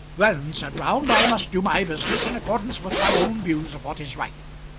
"Then," said Round, "I must do my business in accordance with my own views of what is right.